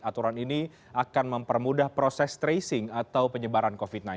aturan ini akan mempermudah proses tracing atau penyebaran covid sembilan belas